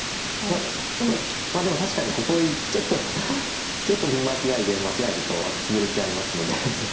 まあでも確かにここちょっとちょっと見間違いで間違えるとツブれちゃいますので。